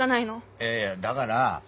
いやいやだがら受から